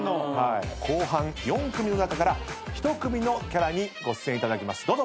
後半４組の中から１組のキャラにご出演いただきます。